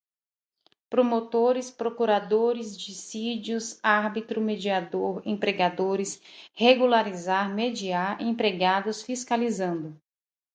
promotores, procuradores, dissídios, árbitro, mediador, empregadores, regularizar, mediar, empregados, fiscalizando